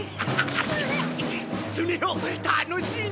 スネ夫楽しいな！